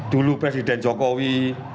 dulu presiden jokowi